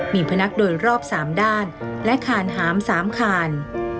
มีพนักโดยรอบ๓ด้านและคานหาม๓คาน